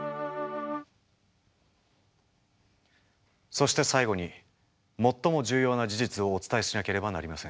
そして最後に最も重要な事実をお伝えしなければなりません。